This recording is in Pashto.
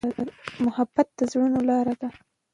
محبت د زړونو لاره ده.